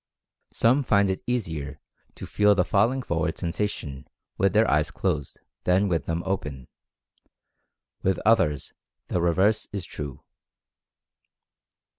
Some find it easier to feel the "falling forward sensation" with their eyes closed, than with them open. With others the reverse is true.